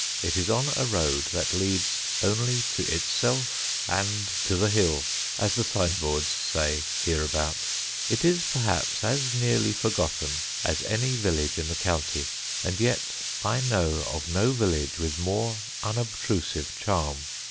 It is on a road that leads only to itself and "to the Hill" (as the sign boards say hereabout); it is perhaps as nearly forgotten as any village in the county; and yet I know of no village with more unobtrusive charm.